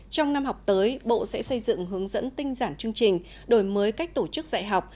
trong năm học tới bộ sẽ xây dựng hướng dẫn tinh giản chương trình đổi mới cách tổ chức dạy học